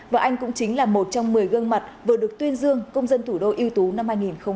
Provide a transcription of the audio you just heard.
và anh cũng chính là một trong một mươi gương mặt vừa được tuyên dương công dân thủ đô ưu tú năm hai nghìn hai mươi ba